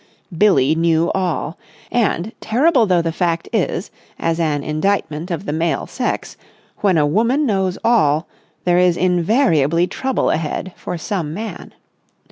Billie knew all. And, terrible though the fact is as an indictment of the male sex, when a woman knows all, there is invariably trouble ahead for some man.